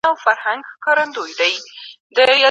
او لا هم لوړ ختلي